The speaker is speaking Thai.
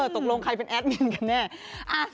ตกลงใครเป็นแอดมินกันแน่